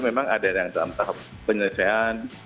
memang ada yang dalam tahap penyelesaian